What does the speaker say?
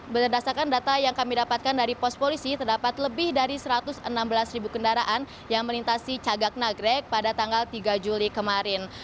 berdasarkan data yang kami dapatkan dari pos polisi terdapat lebih dari satu ratus enam belas ribu kendaraan yang melintasi cagak nagrek pada tanggal tiga juli kemarin